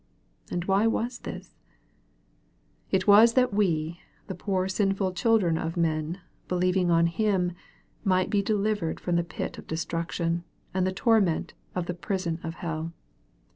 And why was this ? It was that we, the poor sinful children of men, believing on Him, might be delivered from the pit of destruction, and the torment of the prison of hell.